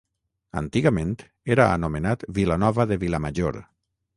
Antigament era anomenat Vilanova de Vilamajor.